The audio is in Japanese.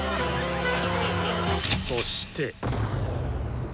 そして。